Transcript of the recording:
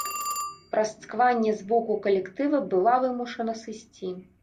Праз цкаванне з боку калектыва была вымушана сысці.